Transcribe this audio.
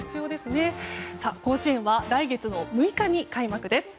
甲子園は来月６日に開幕です。